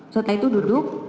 setelah itu duduk